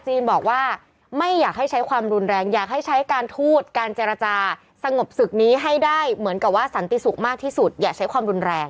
บอกว่าไม่อยากให้ใช้ความรุนแรงอยากให้ใช้การทูตการเจรจาสงบศึกนี้ให้ได้เหมือนกับว่าสันติสุขมากที่สุดอย่าใช้ความรุนแรง